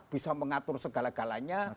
bisa mengatur segala galanya